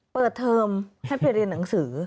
เปิดเทอมให้ไปเรียนหนังสือ